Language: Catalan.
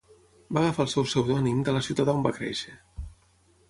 Va agafar el seu pseudònim de la ciutat on va créixer.